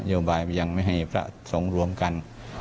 โยบายยังไม่ให้พระสงฆ์รวมกัน